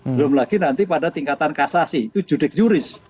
belum lagi nanti pada tingkatan kasasi itu judik juris